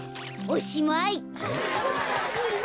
おしまい。